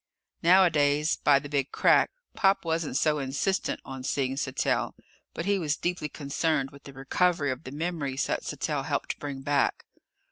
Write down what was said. Nowadays, by the Big Crack, Pop wasn't so insistent on seeing Sattell, but he was deeply concerned with the recovery of the memories that Sattell helped bring back.